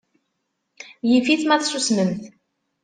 Yif-it ma tsusmemt.